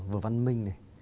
vừa văn minh này